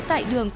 tại đường phạm